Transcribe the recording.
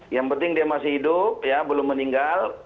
yang penting dia masih hidup belum meninggal